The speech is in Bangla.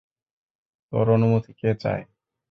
তোর অনুমতি কে চায়?